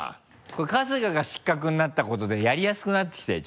これ春日が失格になったことでやりやすくなってきたよ